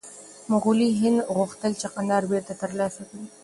مغولي هند غوښتل چې کندهار بېرته ترلاسه کړي.